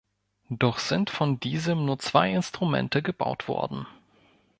Doch sind von diesem nur zwei Instrumente gebaut worden.